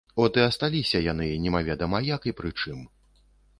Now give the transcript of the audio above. От і асталіся яны, немаведама як і пры чым.